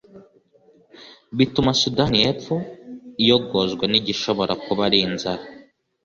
bituma Sudani y’Epfo iyogozwa n’igishobora kuba ari inzara